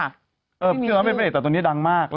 ไม่ได้บอกชื่อแต่ตรงนี้ดังมาก